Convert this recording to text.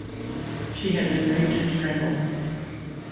She had been raped and strangled.